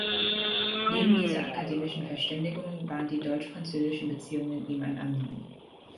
Neben dieser akademischen Verständigung waren die deutsch-französischen Beziehungen ihm ein Anliegen.